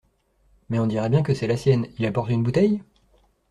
Mais on dirait bien que c’est la sienne. Il apporte une bouteille ?